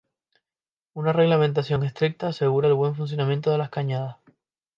Una reglamentación estricta aseguraba el buen funcionamiento de las cañadas.